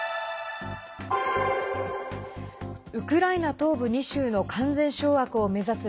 ウクライナ東部２州の完全掌握を目指す